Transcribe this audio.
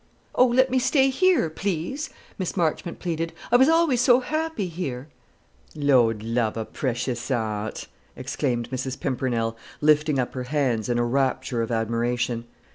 "Oh, let me stay here, please," Miss Marchmont pleaded; "I was always so happy here!" "Lord love her precious heart!" exclaimed Mrs. Pimpernel, lifting up her hands in a rapture of admiration.